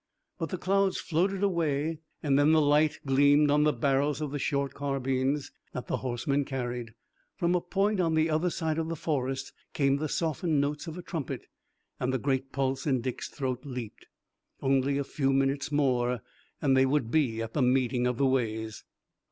But the clouds floated away and then the light gleamed on the barrels of the short carbines that the horsemen carried. From a point on the other side of the forest came the softened notes of a trumpet and the great pulse in Dick's throat leaped. Only a few minutes more and they would be at the meeting of the ways.